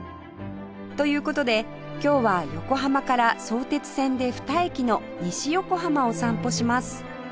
という事で今日は横浜から相鉄線で２駅の西横浜を散歩します